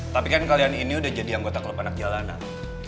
tapi kan kalian ini udah jadi anggota klub anak jalanan